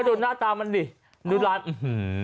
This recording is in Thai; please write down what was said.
ดูหน้าตามันดิดูร้านอื้อหือ